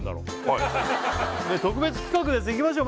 特別企画ですいきましょう